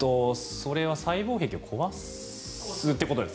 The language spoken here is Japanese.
それは細胞壁を壊すということです。